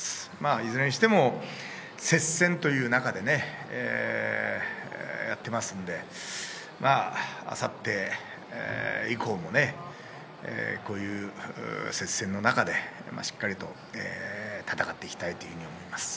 いずれにしても接戦という中で、やっていますので、あさって以降もこういう接戦の中で、しっかりと戦っていきたいと思います。